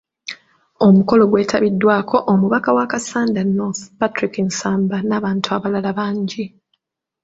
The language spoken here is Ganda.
Omukolo gwetabiddwako omubaka wa Kassanda North, Patrick Nsamba n'abantu abalala bangi.